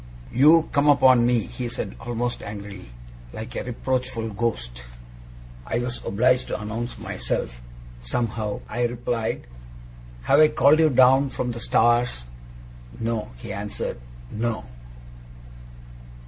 'You come upon me,' he said, almost angrily, 'like a reproachful ghost!' 'I was obliged to announce myself, somehow,' I replied. 'Have I called you down from the stars?' 'No,' he answered. 'No.